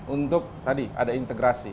untuk tadi ada integrasi